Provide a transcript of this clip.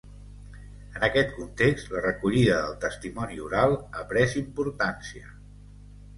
En aquest context, la recollida del testimoni oral ha pres importància.